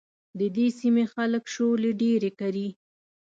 د دې سيمې خلک شولې ډېرې کري.